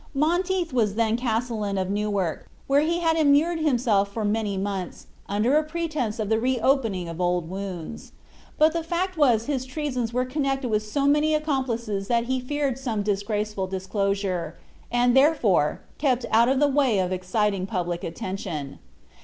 Monteith was then castellan of Newark, where he had immured himself for many months, under a pretense of the reopening of old wounds; but the fact was his treasons were connected with so many accomplices that he feared some disgraceful disclosure, and therefore kept out of the way of exciting public attention.